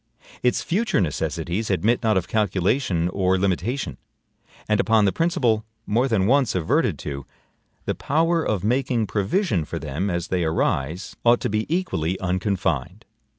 Its future necessities admit not of calculation or limitation; and upon the principle, more than once adverted to, the power of making provision for them as they arise ought to be equally unconfined.